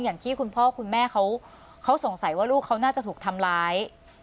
อย่างที่คุณพ่อคุณแม่เขาสงสัยว่าลูกเขาน่าจะถูกทำร้าย